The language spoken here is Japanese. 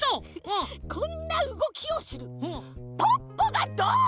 こんなうごきをするポッポがどん！